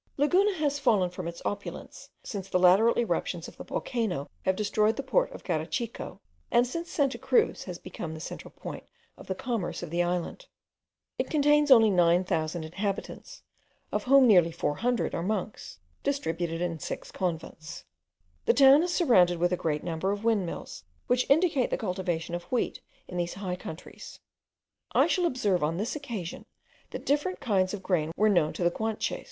Laguna has fallen from its opulence, since the lateral eruptions of the volcano have destroyed the port of Garachico, and since Santa Cruz has become the central point of the commerce of the island. It contains only 9000 inhabitants, of whom nearly 400 are monks, distributed in six convents. The town is surrounded with a great number of windmills, which indicate the cultivation of wheat in these high countries. I shall observe on this occasion, that different kinds of grain were known to the Guanches.